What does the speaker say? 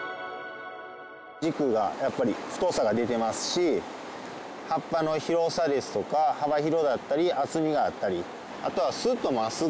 軸がやっぱり太さが出てますし葉っぱの広さですとか幅広だったり厚みがあったり。